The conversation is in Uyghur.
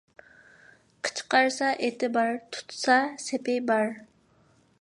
قىچقارسا ئېتى بار، تۇتسا سېپى بار.